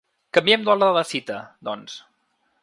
Canviem l'hora de la cita, doncs.